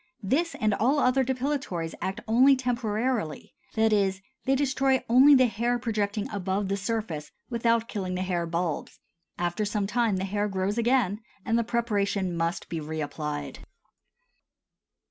This and all other depilatories act only temporarily, that is, they destroy only the hair projecting above the surface without killing the hair bulbs; after some time the hair grows again and the preparation must be reapplied.